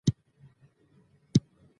اوسېده په یوه کورکي له کلونو